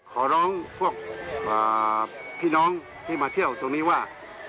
ขอร้องพวกพี่น้องที่มาเที่ยวตรงนี้ว่า